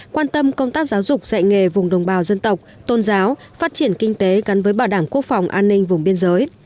quan tâm công tác giáo dục dạy nghề vùng đồng bào dân tộc tôn giáo phát triển kinh tế gắn với bảo đảm quốc phòng an ninh vùng biên giới